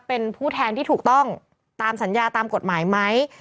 เป็นผู้แทนที่ถูกต้องตามสัญญาตามกฎหมายไหม